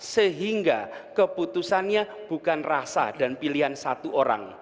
sehingga keputusannya bukan rasa dan pilihan satu orang